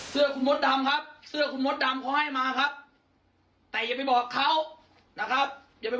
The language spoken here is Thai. เสื้อของมดดำครับ